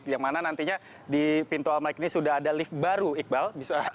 yang mana nantinya di pintu al mac ini sudah ada lift baru iqbal